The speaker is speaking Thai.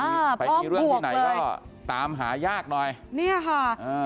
ไปมีเรื่องที่ไหนก็ตามหายากหน่อยเนี้ยค่ะอ่า